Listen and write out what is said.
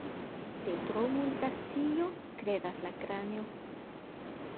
De tro multa scio krevas la kranio.